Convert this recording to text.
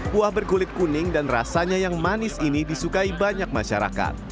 kuah berkulit kuning dan rasanya yang manis ini disukai banyak masyarakat